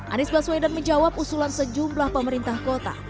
anies baswedan menjawab usulan sejumlah pemerintah kota